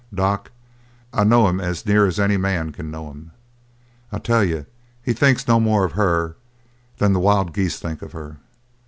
Doc, I know him as near as any man can know him. I tell you, he thinks no more of her than than the wild geese think of her.